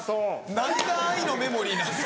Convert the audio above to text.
何が『愛のメモリー』なんですか。